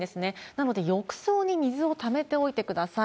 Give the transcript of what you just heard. なので、浴槽に水をためておいてください。